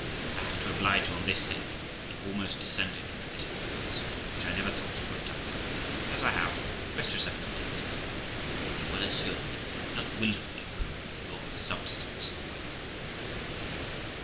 I have, to oblige you on this head, almost descended to particulars, which I never thought to have done; but as I have, rest yourself contented, and be well assured that I have not wilfully thrown any of your substance away.'